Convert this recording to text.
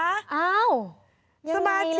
อ้าวยังไงล่ะ